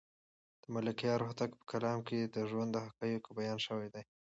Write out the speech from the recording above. د ملکیار هوتک په کلام کې د ژوند د حقایقو بیان شوی دی.